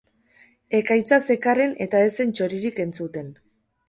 Ekaitza zekarren eta ez zen txoririk entzuten.